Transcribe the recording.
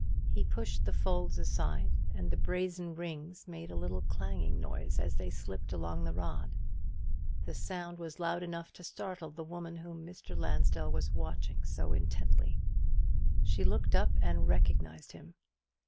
He pushed the folds aside; and the brazen rings made a little clanging noise as they slipped along the rod. The sound was loud enough to startle the woman whom Mr. Lansdell was watching so intently. She looked up and recognized him.